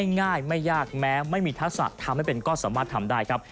ง่ายไม่ยากแม้ไม่มีทักษะทำให้เป็นก็สามารถทำได้ครับ